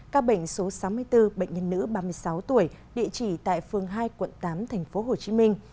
các bệnh số sáu mươi bốn bệnh nhân nữ ba mươi sáu tuổi địa chỉ tại phường hai quận tám thành phố hồ chí minh